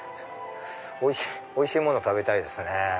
おいしいもの食べたいですね。